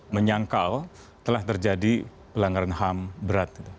menyangkal telah terjadi pelanggaran ham berat